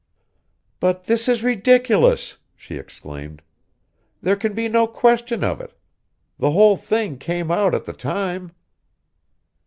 "But this is ridiculous!" she exclaimed. "There can be no question of it! The whole thing came out at the time."